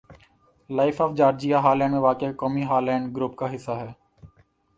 life of Georgia Holland میں واقع قومی ہالینڈ گروپ کا حصّہ ہے